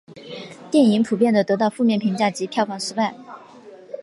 电影普遍地得到负面评价及票房失败。